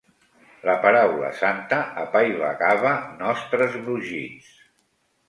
La paraula santa apaivagava nostres brogits.